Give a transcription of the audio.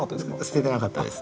捨ててなかったです。